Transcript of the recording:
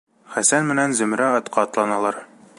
Хәсән менән Зөмрә атҡа атланалар.